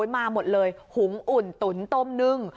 มาหมดเลยหุงอุ่นตุ๋นต้มนึ่ง